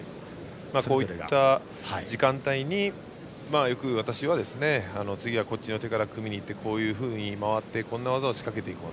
こうした時間帯によく私は次はこっちの手から組みに行ってこういうふうに回ってこんな技を仕掛けていこう。